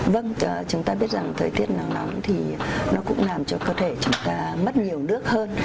vâng chúng ta biết rằng thời tiết nắng nóng thì nó cũng làm cho cơ thể chúng ta mất nhiều nước hơn